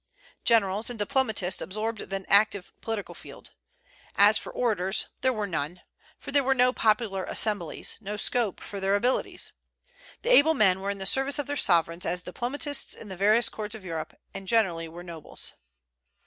Generals and diplomatists absorbed the active political field. As for orators, there were none; for there were no popular assemblies, no scope for their abilities. The able men were in the service of their sovereigns as diplomatists in the various courts of Europe, and generally were nobles.